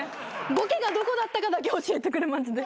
ボケがどこだったかだけ教えてくれマジで。